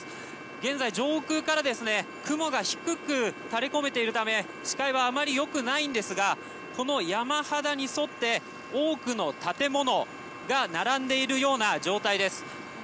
現在、上空から雲が低く垂れ込めているため視界はあまりよくないんですがこの山肌に沿って多くの建物が並んでいるような状態です。